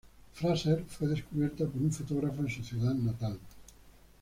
Fraser fue descubierta por un fotógrafo en su ciudad natal.